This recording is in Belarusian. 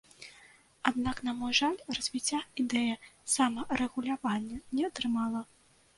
Аднак, на мой жаль, развіцця ідэя самарэгулявання не атрымала.